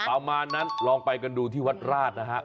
ประมาณนั้นลองไปกันดูที่วัดราชนะฮะ